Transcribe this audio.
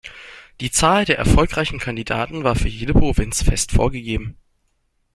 Die Zahl der erfolgreichen Kandidaten war für jede Provinz fest vorgegeben.